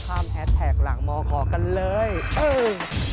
ตามแฮดแท็กหลังหมอขอกันเลยเอ้อ